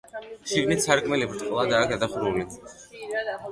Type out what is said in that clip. შიგნით სარკმელი ბრტყლადაა გადახურული.